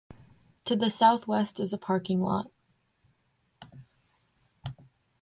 To the southwest is a parking lot.